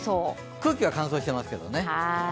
空気が乾燥してますけどね。